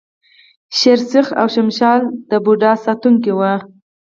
شیر سرخ او شمشال د بودا ساتونکي وو